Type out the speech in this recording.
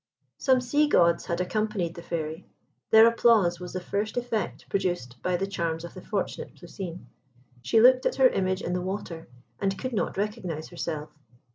Some sea gods had accompanied the Fairy. Their applause was the first effect produced by the charms of the fortunate Plousine. She looked at her image in the water, and could not recognise herself.